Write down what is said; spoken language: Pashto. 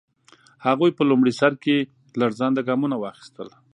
هغوی په لومړي سر کې لړزانده ګامونه واخیستل.